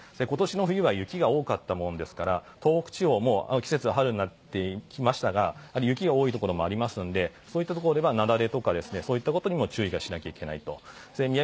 今年の冬は雪が多かったので東北地方は、もう季節は春になってきましたが雪が多いところもありますのでそういったところでは雪崩とか、そういったことにも注意しないといけないと。